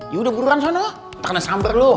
ya udah buruan sana tak kena samper lo